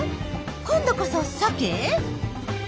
今度こそサケ？